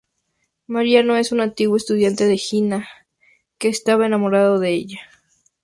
Mariano es un antiguo estudiante de Gina que estaba enamorado de ella.